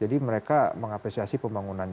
jadi mereka mengapresiasi pembangunan jembatan